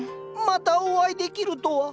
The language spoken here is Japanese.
またお会いできるとは。